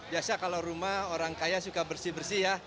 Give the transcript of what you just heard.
biasa kalau rumah orang kaya suka bersih bersih ya